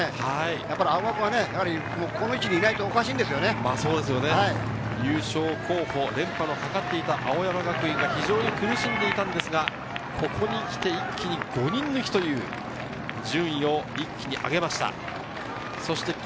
やっぱり青学はこの位置にいない優勝候補、連覇のかかっていた青山学院が非常に苦しんでいたんですが、ここにきて一気に５人抜きという、順位を一気に上げました。